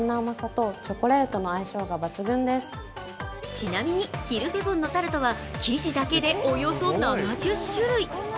ちなみにキルフェボンのタルトは生地だけでおよそ７０種類。